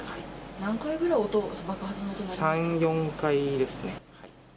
何回ぐらい音、３、４回ですね。